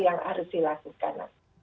itu yang harus dilakukan